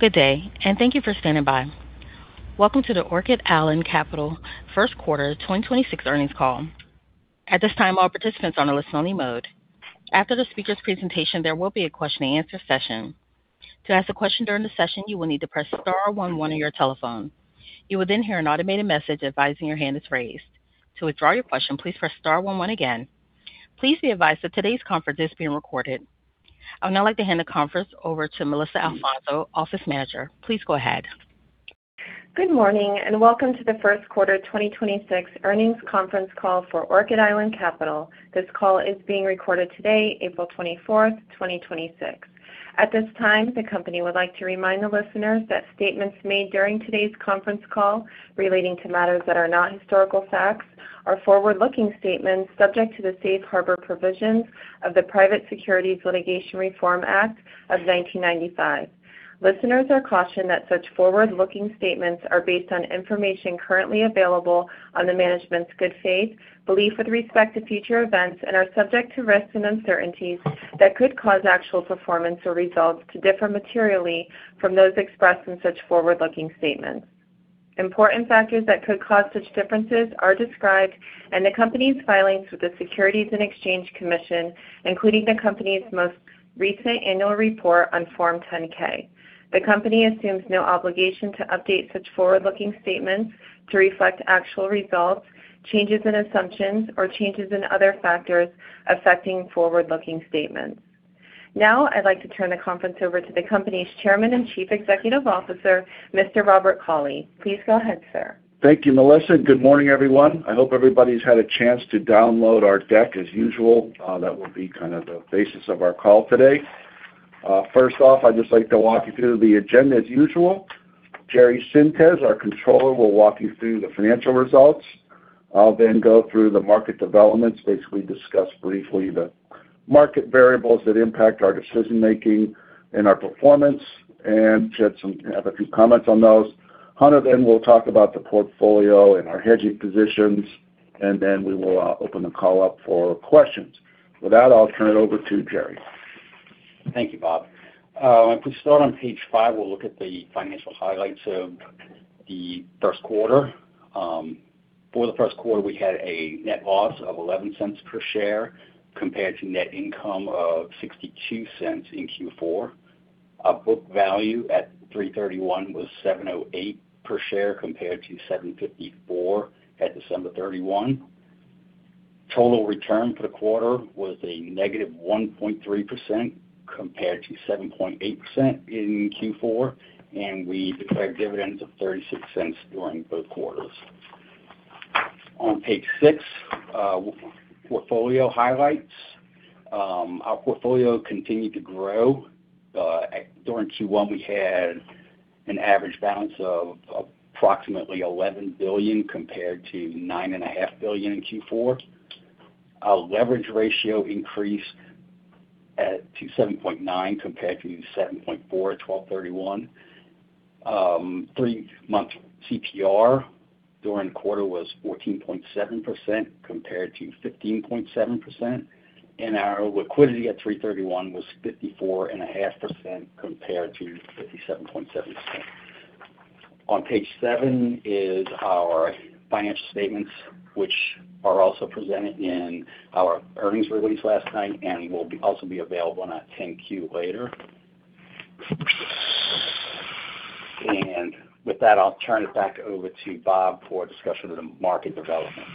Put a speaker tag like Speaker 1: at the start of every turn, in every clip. Speaker 1: Good day, and thank you for standing by. Welcome to the Orchid Island Capital first quarter 2026 earnings call. At this time, all participants are on a listen-only mode. After the speaker's presentation, there will be a question and answer session. To ask a question during the session, you will need to press star one one on your telephone. You will then hear an automated message advising your hand is raised. To withdraw your question, please press star one one again. Please be advised that today's conference is being recorded. I would now like to hand the conference over to Melissa Alfonso, Office Manager. Please go ahead.
Speaker 2: Good morning, and welcome to the first quarter 2026 earnings conference call for Orchid Island Capital. This call is being recorded today, April 24, 2026. At this time, the company would like to remind the listeners that statements made during today's conference call relating to matters that are not historical facts are forward-looking statements subject to the safe harbor provisions of the Private Securities Litigation Reform Act of 1995. Listeners are cautioned that such forward-looking statements are based on information currently available on the management's good faith, belief with respect to future events, and are subject to risks and uncertainties that could cause actual performance or results to differ materially from those expressed in such forward-looking statements. Important factors that could cause such differences are described in the company's filings with the Securities and Exchange Commission, including the company's most recent annual report on Form 10-K. The company assumes no obligation to update such forward-looking statements to reflect actual results, changes in assumptions, or changes in other factors affecting forward-looking statements. Now, I'd like to turn the conference over to the company's Chairman and Chief Executive Officer, Mr. Robert Cauley. Please go ahead, sir.
Speaker 3: Thank you, Melissa. Good morning, everyone. I hope everybody's had a chance to download our deck as usual. That will be kind of the basis of our call today. First off, I'd just like to walk you through the agenda as usual. Jerry Sintes, our controller, will walk you through the financial results. I'll then go through the market developments, basically discuss briefly the market variables that impact our decision-making and our performance, and have a few comments on those. Hunter then will talk about the portfolio and our hedging positions, and then we will open the call up for questions. With that, I'll turn it over to Jerry.
Speaker 4: Thank you, Bob. If we start on page five, we'll look at the financial highlights of the first quarter. For the first quarter, we had a net loss of $0.11 per share compared to net income of $0.62 in Q4. Our book value at 3/31 was $7.08 per share compared to $7.54 at December 31. Total return for the quarter was a negative 1.3% compared to 7.8% in Q4, and we declared dividends of $0.36 during both quarters. On page six, portfolio highlights. Our portfolio continued to grow. During Q1, we had an average balance of approximately $11 billion compared to $9.5 billion in Q4. Our leverage ratio increased to 7.9 compared to 7.4 at 12/31. Three-month CPR during the quarter was 14.7% compared to 15.7%, and our liquidity at 3/31 was 54.5% compared to 57.7%. On page seven is our financial statements, which are also presented in our earnings release last night and will also be available in our 10-Q later. With that, I'll turn it back over to Bob for a discussion of the market development.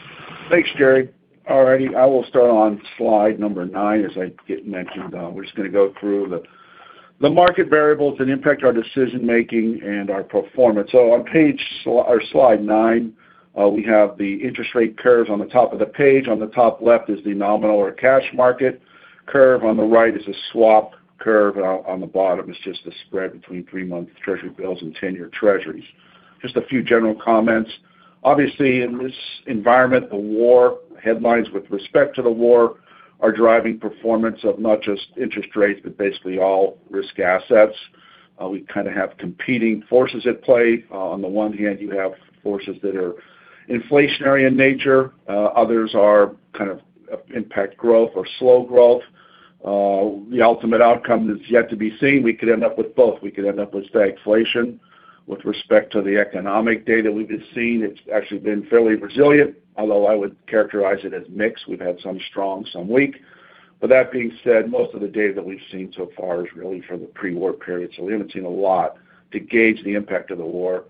Speaker 3: Thanks, Jerry. All righty. I will start on slide number nine. As I mentioned, we're just going to go through the market variables that impact our decision-making and our performance. On slide nine, we have the interest rate curves on the top of the page. On the top left is the nominal or cash market curve. On the right is a swap curve, and on the bottom is just the spread between three-month Treasury bills and 10-year Treasuries. Just a few general comments. Obviously, in this environment, the war headlines with respect to the war are driving performance of not just interest rates, but basically all risk assets. We kind of have competing forces at play. On the one hand, you have forces that are inflationary in nature. Others kind of impact growth or slow growth. The ultimate outcome is yet to be seen. We could end up with both. We could end up with stagflation. With respect to the economic data we've been seeing, it's actually been fairly resilient, although I would characterize it as mixed. We've had some strong, some weak. But that being said, most of the data that we've seen so far is really from the pre-war period, so we haven't seen a lot to gauge the impact of the war.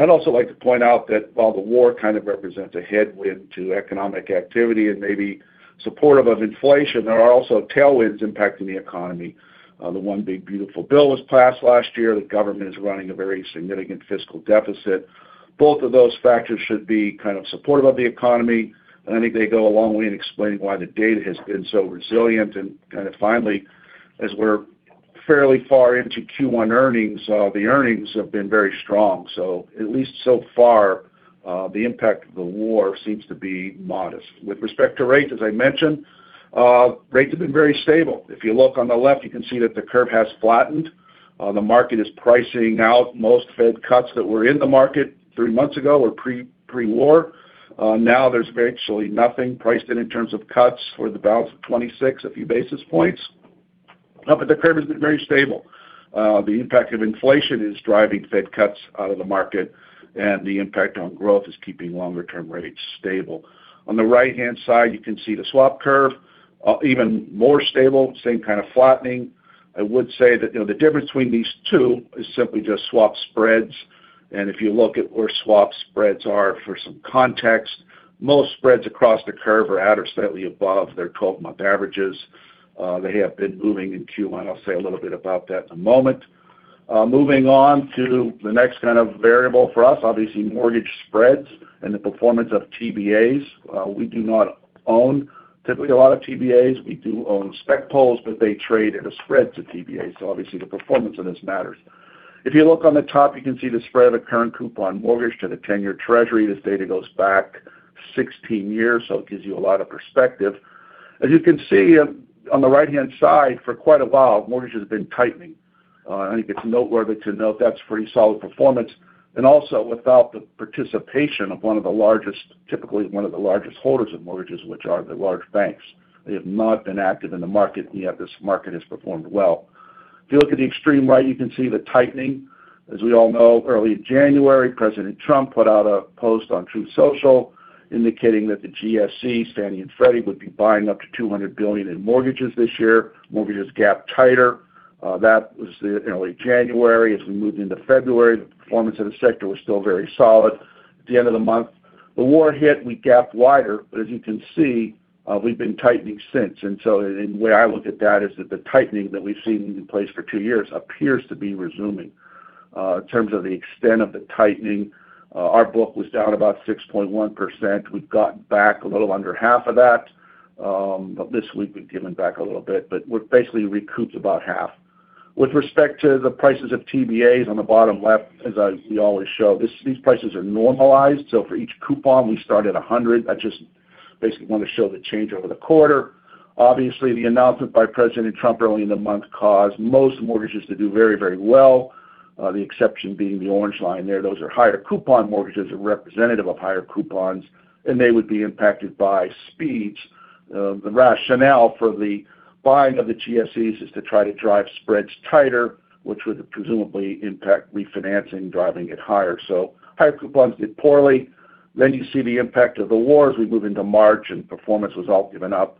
Speaker 3: I'd also like to point out that while the war kind of represents a headwind to economic activity and may be supportive of inflation, there are also tailwinds impacting the economy. The One Big Beautiful Bill Act was passed last year. The government is running a very significant fiscal deficit. Both of those factors should be kind of supportive of the economy, and I think they go a long way in explaining why the data has been so resilient. Kind of finally, as we're fairly far into Q1 earnings, the earnings have been very strong. At least so far, the impact of the war seems to be modest. With respect to rates, as I mentioned, rates have been very stable. If you look on the left, you can see that the curve has flattened. The market is pricing out most Fed cuts that were in the market three months ago or pre-war. Now there's virtually nothing priced in in terms of cuts for the balance of 2026, a few basis points. The curve has been very stable. The impact of inflation is driving Fed cuts out of the market, and the impact on growth is keeping longer-term rates stable. On the right-hand side, you can see the swap curve, even more stable, same kind of flattening. I would say that the difference between these two is simply just swap spreads. If you look at where swap spreads are for some context, most spreads across the curve are at or slightly above their 12-month averages. They have been moving in Q1. I'll say a little bit about that in a moment. Moving on to the next kind of variable for us, obviously, mortgage spreads and the performance of TBAs. We do not own typically a lot of TBAs. We do own spec pools, but they trade at a spread to TBAs, so obviously the performance of this matters. If you look on the top, you can see the spread of a current coupon mortgage to the 10-year Treasury. This data goes back 16 years, so it gives you a lot of perspective. As you can see on the right-hand side, for quite a while, mortgages have been tightening. I think it's noteworthy to note, that's pretty solid performance. Without the participation of one of the largest holders of mortgages, which are the large banks. They have not been active in the market, and yet this market has performed well. If you look at the extreme right, you can see the tightening. As we all know, early January, President Trump put out a post on Truth Social indicating that the GSE, Fannie and Freddie, would be buying up to $200 billion in mortgages this year. Mortgages gapped tighter. That was early January. As we moved into February, the performance of the sector was still very solid. At the end of the month, the war hit, we gapped wider. As you can see, we've been tightening since. The way I look at that is that the tightening that we've seen in place for two years appears to be resuming. In terms of the extent of the tightening, our book was down about 6.1%. We've gotten back a little under half of that. This week we've given back a little bit, but we've basically recouped about half. With respect to the prices of TBAs on the bottom left, as we always show, these prices are normalized. For each coupon, we start at 100. I just basically want to show the change over the quarter. Obviously, the announcement by President Trump early in the month caused most mortgages to do very, very well. The exception being the orange line there, those are higher coupon mortgages and representative of higher coupons, and they would be impacted by speeds. The rationale for the buying of the GSEs is to try to drive spreads tighter, which would presumably impact refinancing, driving it higher. Higher coupons did poorly. You see the impact of the war as we move into March and performance was all given up.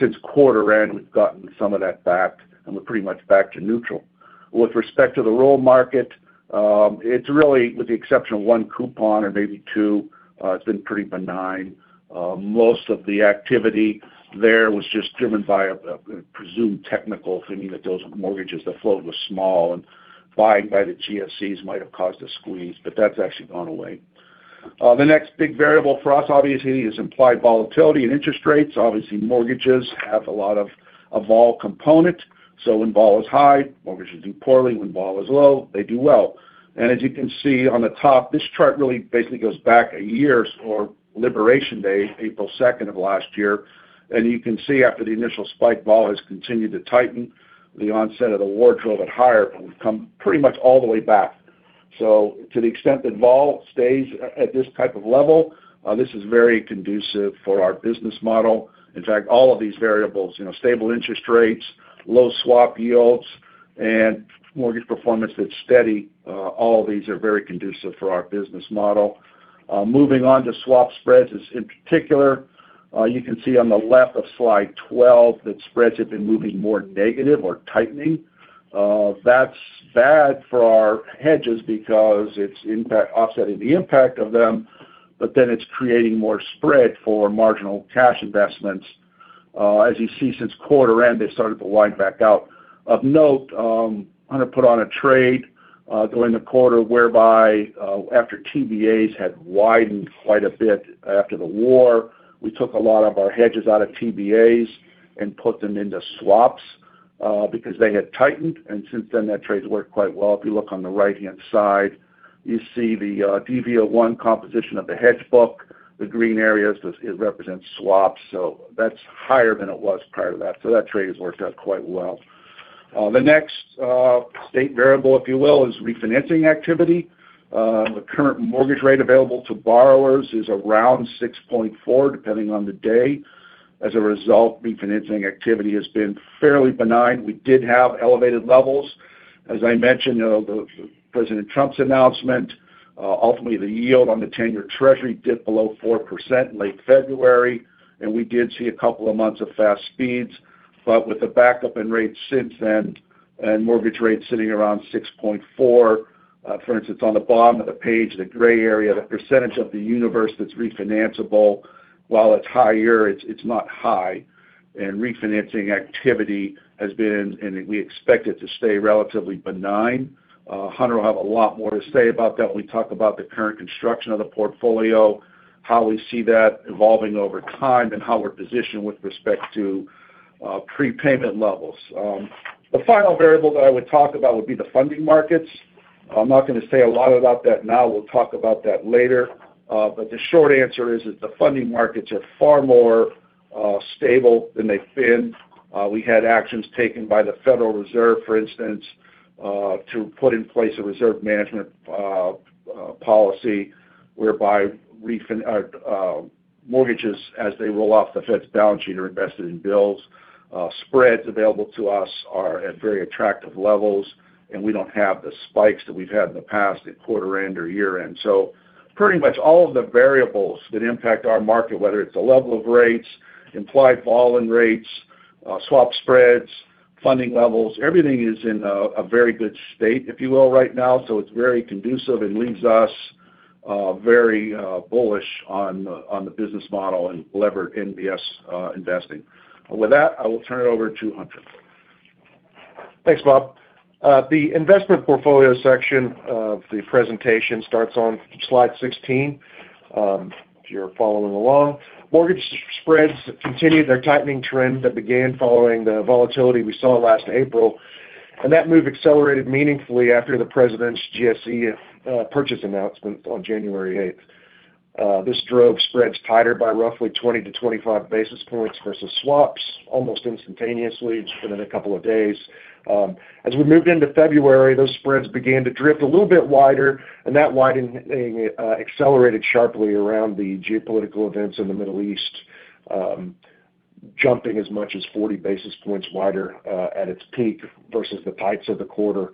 Speaker 3: Since quarter end, we've gotten some of that back and we're pretty much back to neutral. With respect to the rural market, it's really, with the exception of one coupon or maybe two, it's been pretty benign. Most of the activity there was just driven by a presumed technical thing that those mortgages that float was small and buying by the GSEs might have caused a squeeze, but that's actually gone away. The next big variable for us, obviously, is implied volatility and interest rates. Obviously, mortgages have a lot of vol component. When vol is high, mortgages do poorly. When vol is low, they do well. As you can see on the top, this chart really basically goes back a year or Liberation Day, April 2nd of last year. You can see after the initial spike, vol has continued to tighten. The onset of the war drove it higher, but we've come pretty much all the way back. To the extent that vol stays at this type of level, this is very conducive for our business model. In fact, all of these variables, stable interest rates, low swap yields, and mortgage performance that's steady, all these are very conducive for our business model. Moving on to swap spreads in particular. You can see on the left of slide 12 that spreads have been moving more negative or tightening. That's bad for our hedges because it's offsetting the impact of them, but then it's creating more spread for marginal cash investments. As you see since quarter end, they started to widen back out. Of note, Hunter put on a trade during the quarter whereby after TBAs had widened quite a bit after the war, we took a lot of our hedges out of TBAs and put them into swaps because they had tightened, and since then that trade's worked quite well. If you look on the right-hand side, you see the DV01 composition of the hedge book. The green areas, it represents swaps. So that's higher than it was prior to that. So that trade has worked out quite well. The next state variable, if you will, is refinancing activity. The current mortgage rate available to borrowers is around 6.4%, depending on the day. As a result, refinancing activity has been fairly benign. We did have elevated levels. As I mentioned, President Trump's announcement, ultimately the yield on the 10-year Treasury dipped below 4% in late February, and we did see a couple of months of fast speeds. With the backup in rates since then and mortgage rates sitting around 6.4%, for instance, on the bottom of the page, the gray area, the percentage of the universe that's refinanceable, while it's higher, it's not high. Refinancing activity has been, and we expect it to stay relatively benign. Hunter will have a lot more to say about that when we talk about the current construction of the portfolio, how we see that evolving over time, and how we're positioned with respect to prepayment levels. The final variable that I would talk about would be the funding markets. I'm not going to say a lot about that now. We'll talk about that later. The short answer is that the funding markets are far more stable than they've been. We had actions taken by the Federal Reserve, for instance, to put in place a reserve management policy whereby mortgages, as they roll off the Fed's balance sheet, are invested in bills. Spreads available to us are at very attractive levels, and we don't have the spikes that we've had in the past at quarter-end or year-end. Pretty much all of the variables that impact our market, whether it's the level of rates, implied vol in rates, swap spreads, funding levels, everything is in a very good state, if you will, right now. It's very conducive and leaves us very bullish on the business model and levered MBS investing. With that, I will turn it over to Hunter.
Speaker 5: Thanks, Bob. The investment portfolio section of the presentation starts on slide 16, if you're following along. Mortgage spreads continued their tightening trend that began following the volatility we saw last April, and that move accelerated meaningfully after the president's GSE purchase announcement on January 8th. This drove spreads tighter by roughly 20-25 basis points versus swaps almost instantaneously, within a couple of days. As we moved into February, those spreads began to drift a little bit wider, and that widening accelerated sharply around the geopolitical events in the Middle East, jumping as much as 40 basis points wider at its peak versus the tights of the quarter.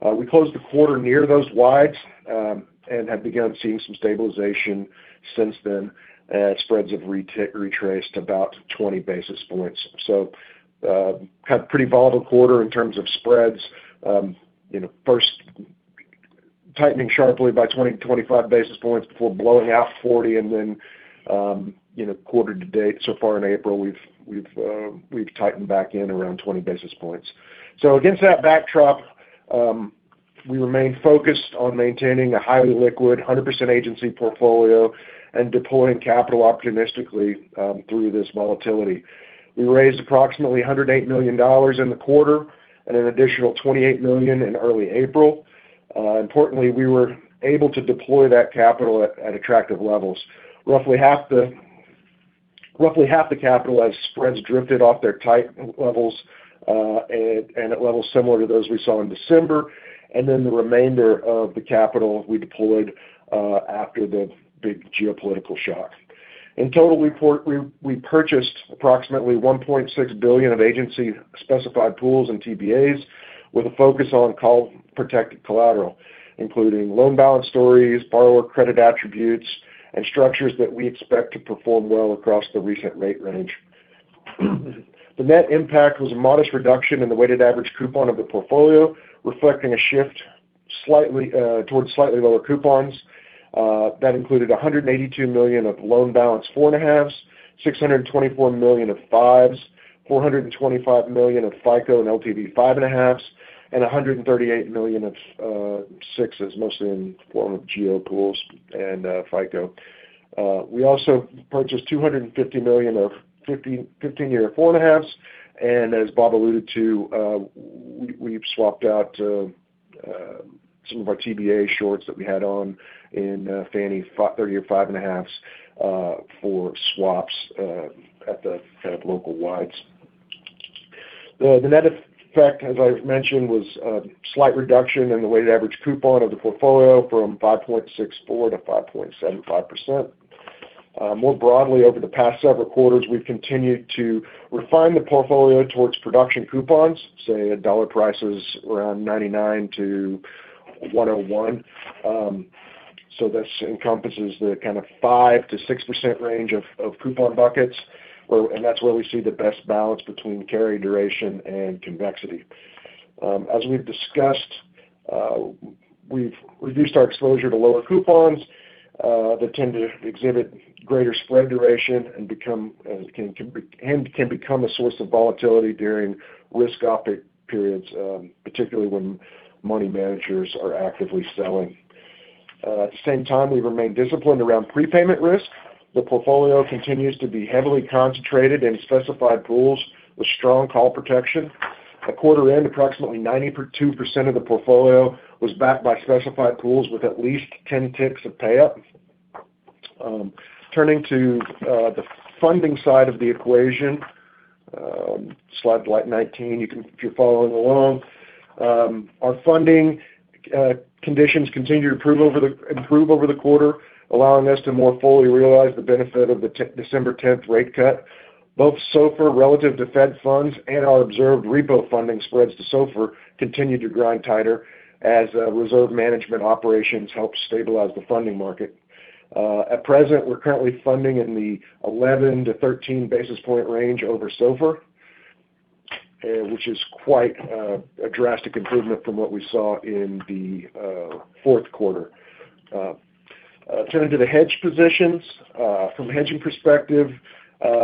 Speaker 5: We closed the quarter near those wides and have begun seeing some stabilization since then as spreads have retraced about 20 basis points. Had a pretty volatile quarter in terms of spreads. First tightening sharply by 20-25 basis points before blowing out 40. Then quarter to date so far in April, we've tightened back in around 20 basis points. Against that backdrop, we remain focused on maintaining a highly liquid 100% agency portfolio and deploying capital optimistically through this volatility. We raised approximately $108 million in the quarter and an additional $28 million in early April. Importantly, we were able to deploy that capital at attractive levels. Roughly half the capital as spreads drifted off their tight levels and at levels similar to those we saw in December. The remainder of the capital we deployed after the big geopolitical shock. In total, we purchased approximately $1.6 billion of agency-specified pools and TBAs with a focus on call protected collateral, including loan balance strips, borrower credit attributes, and structures that we expect to perform well across the recent rate range. The net impact was a modest reduction in the weighted average coupon of the portfolio, reflecting a shift towards slightly lower coupons. That included $182 million of loan balance four and a halves, $624 million of fives, $425 million of FICO and LTV five and a halves, and $138 million of sixes, mostly in the form of geo pools and FICO. We also purchased $250 million of 15-year four and a halves. As Bob alluded to, we've swapped out some of our TBA shorts that we had on in Fannie 30-year five and a halves for swaps at the kind of local wides. The net effect, as I mentioned, was a slight reduction in the weighted average coupon of the portfolio from 5.64% to 5.75%. More broadly, over the past several quarters, we've continued to refine the portfolio towards production coupons, say at dollar prices around 99-101. This encompasses the kind of 5%-6% range of coupon buckets, and that's where we see the best balance between carry duration and convexity. As we've discussed, we've reduced our exposure to lower coupons that tend to exhibit greater spread duration and can become a source of volatility during risk-off periods, particularly when money managers are actively selling. At the same time, we've remained disciplined around prepayment risk. The portfolio continues to be heavily concentrated in specified pools with strong call protection. At quarter end, approximately 92% of the portfolio was backed by specified pools with at least 10 ticks of pay up. Turning to the funding side of the equation. Slide 19, if you're following along. Our funding conditions continued to improve over the quarter, allowing us to more fully realize the benefit of the December 10th rate cut. Both SOFR relative to Fed funds and our observed repo funding spreads to SOFR continued to grind tighter as reserve management operations helped stabilize the funding market. At present, we're currently funding in the 11-13 basis point range over SOFR, which is quite a drastic improvement from what we saw in the fourth quarter. Turning to the hedge positions. From a hedging perspective,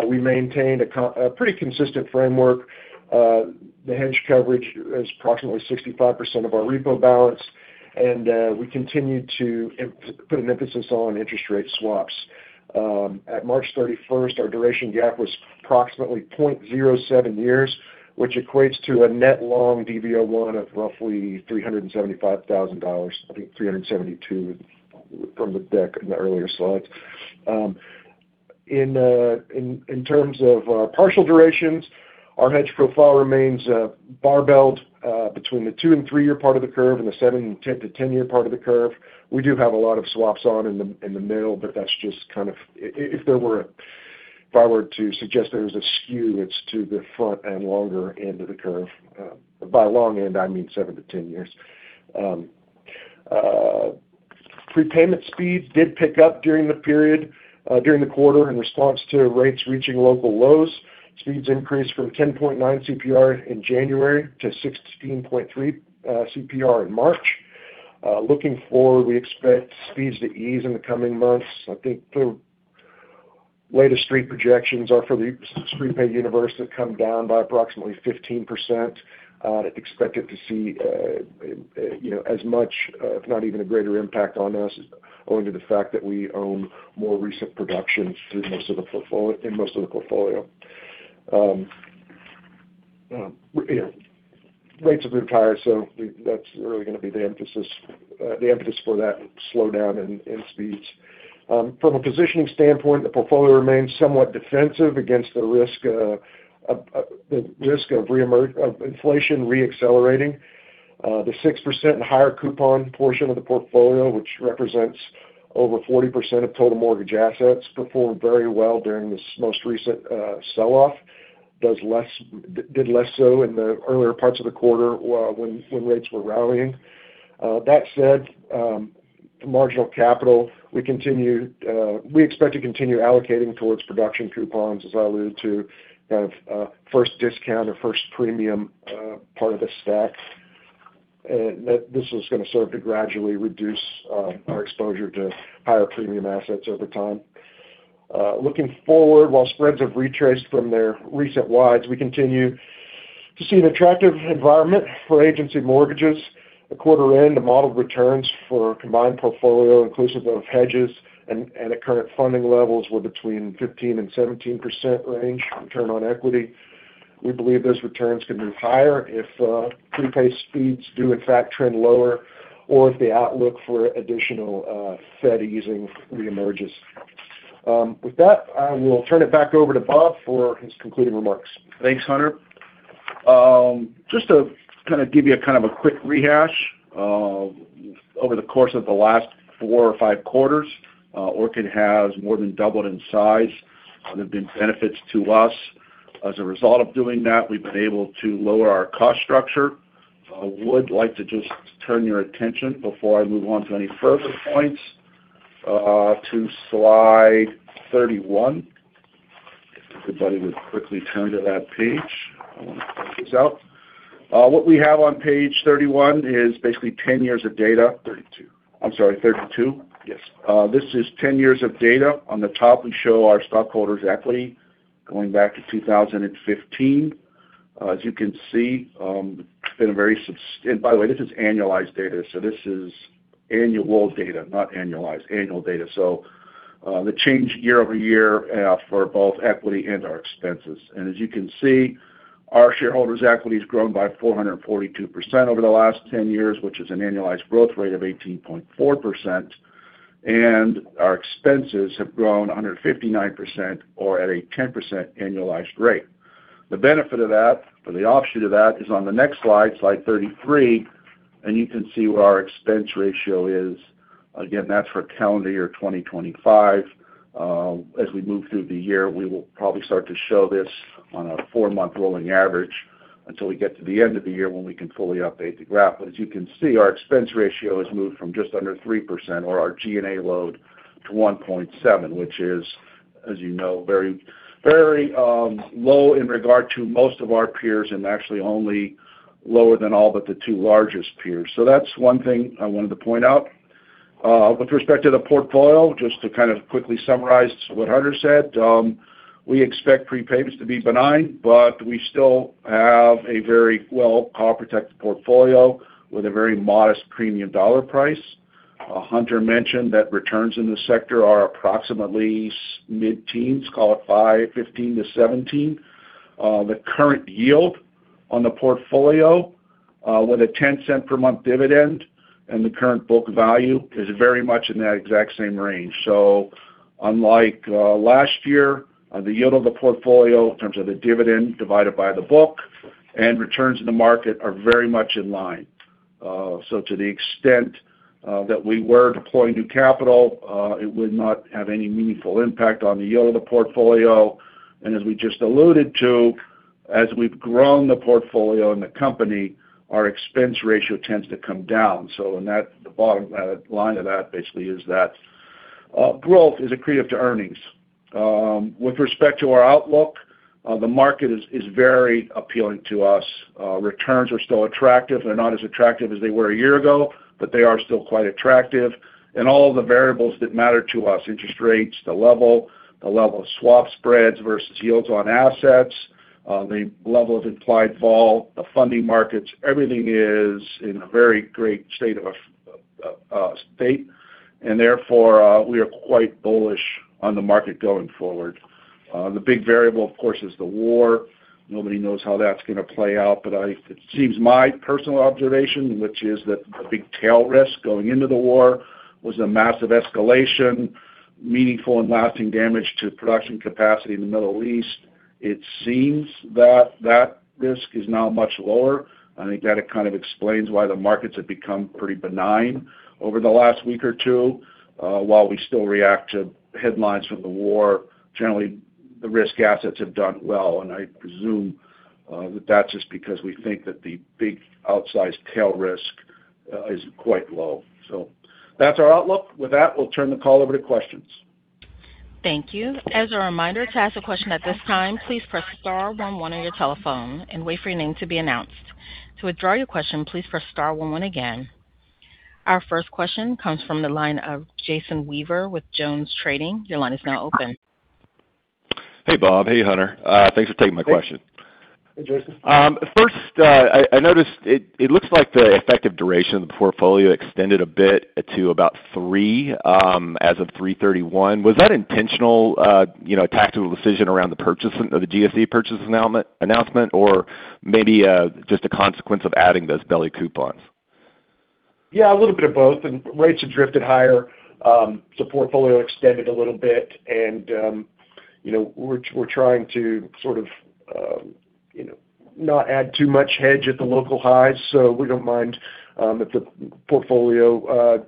Speaker 5: we maintained a pretty consistent framework. The hedge coverage is approximately 65% of our repo balance, and we continue to put an emphasis on interest rate swaps. At March 31st, our duration gap was approximately 0.07 years, which equates to a net long DV01 of roughly $375,000. I think $372,000 from the deck in the earlier slides. In terms of partial durations, our hedge profile remains a barbelled between the 2 and 3 years part of the curve and the 7-10 years part of the curve. We do have a lot of swaps on in the middle, but if I were to suggest there's a skew, it's to the front and longer end of the curve. By long end, I mean 7-10 years. Prepayment speeds did pick up during the period, during the quarter in response to rates reaching local lows. Speeds increased from 10.9 CPR in January to 16.3 CPR in March. Looking forward, we expect speeds to ease in the coming months. I think the latest street projections are for the prepay universe to come down by approximately 15%. Expect it to see as much, if not even a greater impact on us, owing to the fact that we own more recent production in most of the portfolio. Rates have been higher, so that's really going to be the impetus for that slowdown in speeds. From a positioning standpoint, the portfolio remains somewhat defensive against the risk of inflation re-accelerating. The 6% and higher coupon portion of the portfolio, which represents over 40% of total mortgage assets, performed very well during this most recent sell-off but did less so in the earlier parts of the quarter when rates were rallying. That said, the marginal capital we expect to continue allocating towards production coupons, as I alluded to, kind of first discount or first premium part of the stack. This is going to serve to gradually reduce our exposure to higher premium assets over time. Looking forward, while spreads have retraced from their recent wides, we continue to see an attractive environment for agency mortgages. At quarter end, the modeled returns for our combined portfolio, inclusive of hedges and at current funding levels, were between 15%-17% range return on equity. We believe those returns could move higher if prepay speeds do in fact trend lower or if the outlook for additional Fed easing re-emerges. With that, I will turn it back over to Bob for his concluding remarks.
Speaker 3: Thanks, Hunter. Just to kind of give you a quick rehash. Over the course of the last Q4 or Q5, Orchid has more than doubled in size. There have been benefits to us. As a result of doing that, we've been able to lower our cost structure. I would like to just turn your attention before I move on to any further points to slide 31. If everybody would quickly turn to that page. I want to point this out. What we have on page 31 is basically 10 years of data.
Speaker 5: 32.
Speaker 3: I'm sorry, 32?
Speaker 5: Yes.
Speaker 3: This is 10 years of data. On the top, we show our stockholders' equity going back to 2015. As you can see, and by the way, this is annual data, not annualized. The change year-over-year for both equity and our expenses. Our shareholders' equity has grown by 442% over the last 10 years, which is an annualized growth rate of 18.4%, and our expenses have grown 159% or at a 10% annualized rate. The benefit of that, or the offshoot of that, is on the next slide 33, and you can see what our expense ratio is. Again, that's for calendar year 2025. As we move through the year, we will probably start to show this on a four-month rolling average until we get to the end of the year when we can fully update the graph. As you can see, our expense ratio has moved from just under 3%, or our G&A load, to 1.7, which is, as you know, very low in regard to most of our peers and actually only lower than all but the two largest peers. That's one thing I wanted to point out. With respect to the portfolio, just to kind of quickly summarize what Hunter said. We expect prepayments to be benign, but we still have a very well protected portfolio with a very modest premium dollar price. Hunter mentioned that returns in the sector are approximately mid-teens, call it 15%-17%. The current yield on the portfolio, with a $0.10 per month dividend and the current book value, is very much in that exact same range. Unlike last year, the yield of the portfolio in terms of the dividend divided by the book and returns in the market are very much in line. To the extent that we were deploying new capital, it would not have any meaningful impact on the yield of the portfolio. As we just alluded to, as we've grown the portfolio and the company, our expense ratio tends to come down. The bottom line of that basically is that growth is accretive to earnings. With respect to our outlook, the market is very appealing to us. Returns are still attractive. They're not as attractive as they were a year ago, but they are still quite attractive. All of the variables that matter to us, interest rates, the level of swap spreads versus yields on assets, the level of implied vol, the funding markets, everything is in a very great state. Therefore, we are quite bullish on the market going forward. The big variable, of course, is the war. Nobody knows how that's going to play out. It seems my personal observation, which is that the big tail risk going into the war was a massive escalation, meaningful and lasting damage to production capacity in the Middle East. It seems that risk is now much lower. I think that kind of explains why the markets have become pretty benign over the last week or two, while we still react to headlines from the war. Generally, the risk assets have done well, and I presume that's just because we think that the big outsized tail risk is quite low. That's our outlook. With that, we'll turn the call over to questions.
Speaker 1: Thank you. As a reminder, to ask a question at this time, please press star one one on your telephone and wait for your name to be announced. To withdraw your question, please press star one one again. Our first question comes from the line of Jason Weaver with JonesTrading. Your line is now open.
Speaker 6: Hey, Bob. Hey, Hunter. Thanks for taking my question.
Speaker 3: Hey, Jason.
Speaker 6: First, I noticed it looks like the effective duration of the portfolio extended a bit to about 3 as of 3/31. Was that intentional tactical decision around the GSE purchase announcement or maybe just a consequence of adding those belly coupons?
Speaker 5: Yeah, a little bit of both. Rates have drifted higher. Portfolio extended a little bit, and we're trying to sort of not add too much hedge at the local highs. We don't mind if the portfolio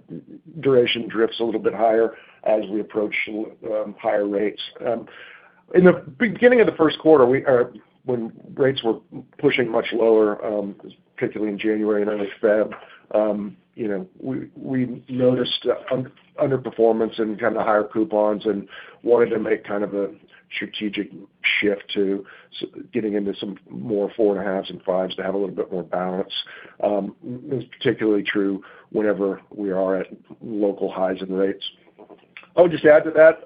Speaker 5: duration drifts a little bit higher as we approach higher rates. In the beginning of the first quarter, when rates were pushing much lower, particularly in January and early February, we noticed underperformance in kind of the higher coupons and wanted to make kind of a strategic shift to getting into some more 4.5s and 5s to have a little bit more balance. Particularly true whenever we are at local highs in rates.
Speaker 3: I would just add to that.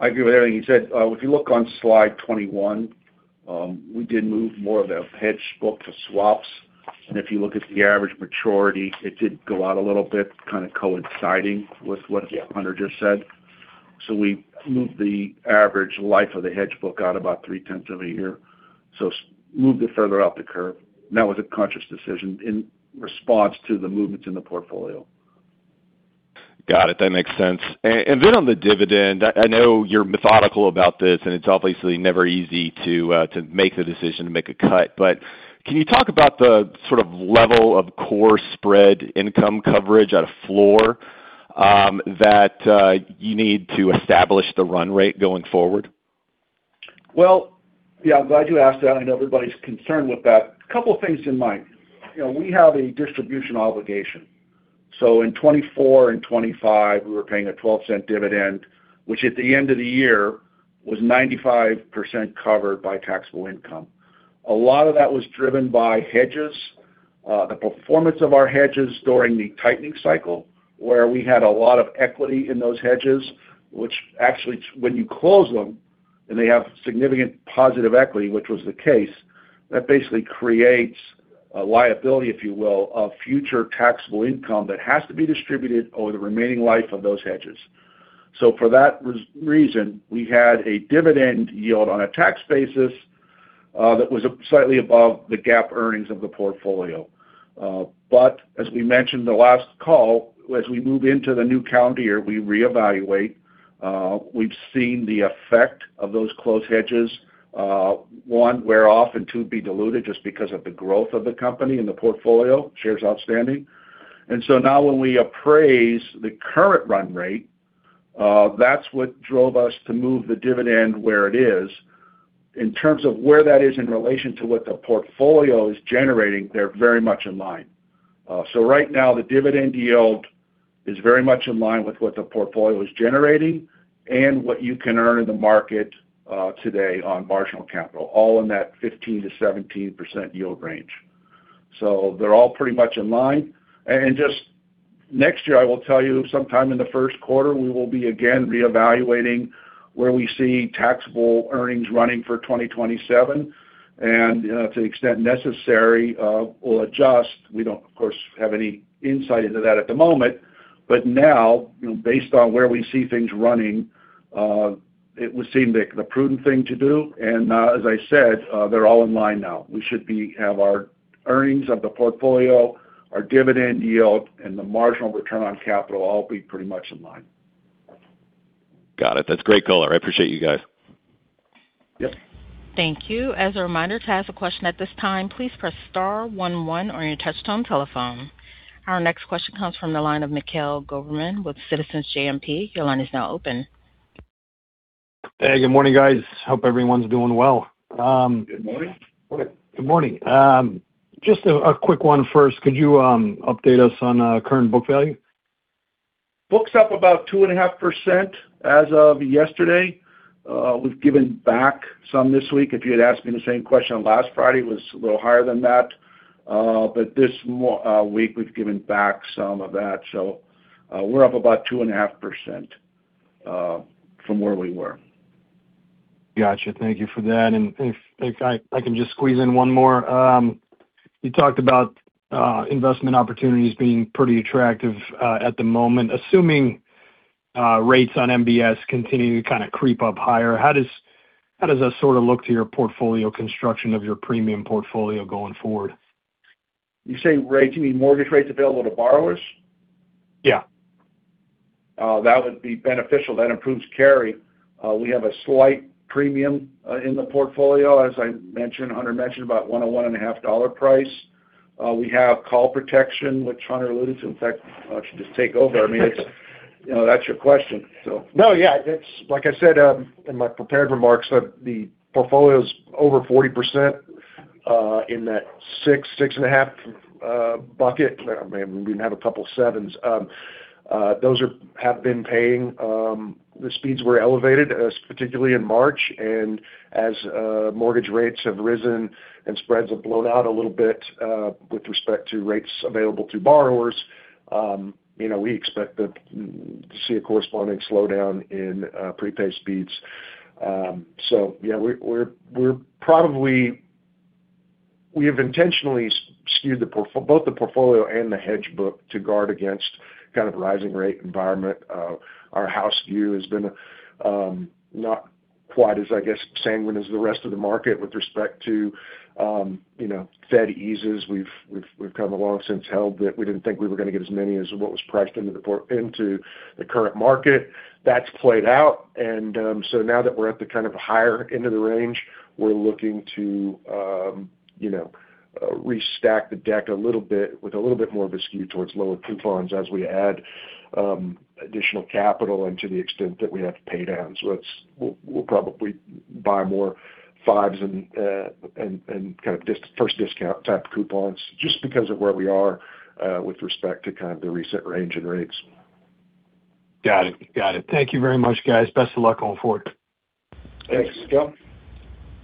Speaker 3: I agree with everything he said. If you look on slide 21, we did move more of the hedge book to swaps, and if you look at the average maturity, it did go out a little bit, kind of coinciding with what Hunter just said. So we moved the average life of the hedge book out about three-tenths of a year. So moved it further out the curve. That was a conscious decision in response to the movements in the portfolio.
Speaker 6: Got it. That makes sense. On the dividend, I know you're methodical about this, and it's obviously never easy to make the decision to make a cut, but can you talk about the sort of level of core spread income coverage at a floor that you need to establish the run rate going forward?
Speaker 3: Well, yeah, I'm glad you asked that. I know everybody's concerned with that. A couple of things in mind. We have a distribution obligation. In 2024 and 2025, we were paying a $0.12 dividend, which at the end of the year was 95% covered by taxable income. A lot of that was driven by hedges. The performance of our hedges during the tightening cycle, where we had a lot of equity in those hedges, which actually, when you close them and they have significant positive equity, which was the case, that basically creates a liability, if you will, of future taxable income that has to be distributed over the remaining life of those hedges. For that reason, we had a dividend yield on a tax basis that was slightly above the GAAP earnings of the portfolio. As we mentioned the last call, as we move into the new calendar year, we reevaluate. We've seen the effect of those closed hedges, one, wear off, and two, be diluted just because of the growth of the company and the portfolio shares outstanding. Now when we appraise the current run rate, that's what drove us to move the dividend where it is. In terms of where that is in relation to what the portfolio is generating, they're very much in line. Right now, the dividend yield is very much in line with what the portfolio is generating and what you can earn in the market today on marginal capital, all in that 15%-17% yield range. They're all pretty much in line. Just next year, I will tell you sometime in the first quarter, we will be again reevaluating where we see taxable earnings running for 2027. To the extent necessary, we'll adjust. We don't, of course, have any insight into that at the moment. Now, based on where we see things running, it would seem the prudent thing to do. As I said, they're all in line now. We should have our earnings of the portfolio, our dividend yield, and the marginal return on capital all be pretty much in line.
Speaker 6: Got it. That's a great color. I appreciate you guys.
Speaker 3: Yep.
Speaker 1: Thank you. As a reminder, to ask a question at this time, please press star one one on your touch-tone telephone. Our next question comes from the line of Mikhail Goberman with Citizens JMP. Your line is now open.
Speaker 7: Hey, good morning, guys. Hope everyone's doing well.
Speaker 3: Good morning.
Speaker 7: Good morning. Just a quick one first. Could you update us on current book value?
Speaker 3: Book's up about 2.5% as of yesterday. We've given back some this week. If you had asked me the same question last Friday, it was a little higher than that. But this week we've given back some of that. We're up about 2.5% from where we were.
Speaker 7: Got you. Thank you for that. If I can just squeeze in one more. You talked about investment opportunities being pretty attractive at the moment. Assuming rates on MBS continue to kind of creep up higher, how does that sort of look to your portfolio construction of your premium portfolio going forward?
Speaker 3: You say rates, you mean mortgage rates available to borrowers?
Speaker 7: Yeah.
Speaker 3: That would be beneficial. That improves carry. We have a slight premium in the portfolio, as I mentioned, Hunter mentioned about $1-$1.5 price. We have call protection, which Hunter alluded to. In fact, why don't you just take over? I mean, that's your question, so.
Speaker 5: No, yeah. It's like I said in my prepared remarks, the portfolio's over 40% in that 6.5 bucket. We even have a couple 7s. Those have been paying. The speeds were elevated, particularly in March. As mortgage rates have risen and spreads have blown out a little bit with respect to rates available to borrowers, we expect to see a corresponding slowdown in prepay speeds. Yeah, we have intentionally skewed both the portfolio and the hedge book to guard against kind of rising rate environment. Our house view has been not quite as, I guess, sanguine as the rest of the market with respect to Fed eases. We've kind of long since held that we didn't think we were going to get as many as what was priced into the current market. That's played out. Now that we're at the kind of higher end of the range, we're looking to restack the deck a little bit with a little bit more of a skew towards lower coupons as we add additional capital and to the extent that we have to pay down. We'll probably buy more fives and kind of first discount type coupons just because of where we are with respect to kind of the recent range and rates.
Speaker 7: Got it. Thank you very much, guys. Best of luck going forward.
Speaker 3: Thanks, Scott.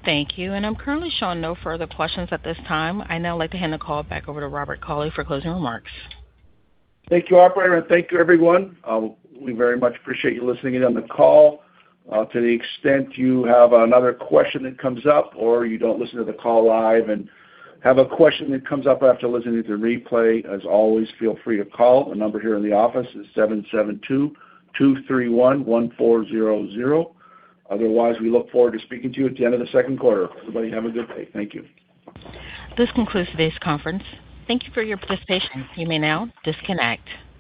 Speaker 1: Thank you. I'm currently showing no further questions at this time. I'd now like to hand the call back over to Robert Cauley for closing remarks.
Speaker 3: Thank you, operator, and thank you everyone. We very much appreciate you listening in on the call. To the extent you have another question that comes up or you don't listen to the call live and have a question that comes up after listening to the replay, as always, feel free to call. The number here in the office is 772-231-1400. Otherwise, we look forward to speaking to you at the end of the second quarter. Everybody have a good day. Thank you.
Speaker 1: This concludes today's conference. Thank you for your participation. You may now disconnect.